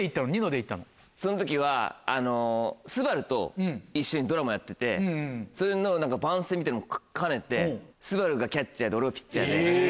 その時はすばると一緒にドラマやっててそれの番宣みたいなのも兼ねてすばるがキャッチャーで俺がピッチャーで。